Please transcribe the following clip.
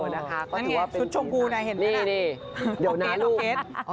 นั่นไงสุดชมกูน่ะเห็นไหมน่ะนี่นี่เดี๋ยวนะลูกออกเก็ตออกเก็ต